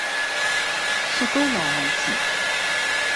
雪糕糯米糍